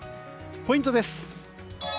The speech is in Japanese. ポイントです。